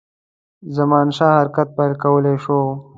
زمانشاه حرکت پیل کولای شوای.